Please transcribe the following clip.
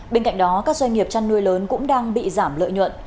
bên cạnh đó các doanh nghiệp chăn nuôi lớn cũng đang bị giảm lợi nhuận